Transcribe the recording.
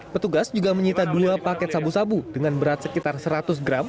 petugas juga menyita dua paket sabu sabu dengan berat sekitar seratus gram